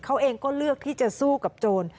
เขาเองก็เลือกที่จะสู้กับโจร